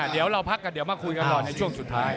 เดี๋ยวเราพักกันเดี๋ยวมาคุยกันต่อในช่วงสุดท้าย